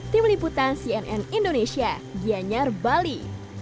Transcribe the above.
tim liputan cnn indonesia gianyar bali